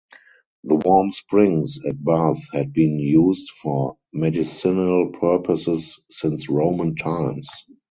The warm springs at Bath had been used for medicinal purposes since Roman times.